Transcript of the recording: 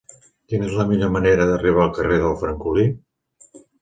Quina és la millor manera d'arribar al carrer del Francolí?